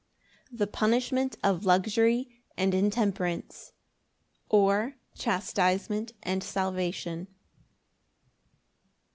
The punishment of luxury and intemperance; or, Chastisement and salvation.